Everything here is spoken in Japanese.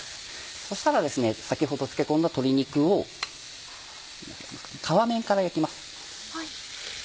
そしたら先ほど漬け込んだ鶏肉を皮面から焼きます。